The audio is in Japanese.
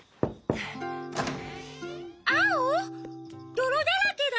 どろだらけだよ。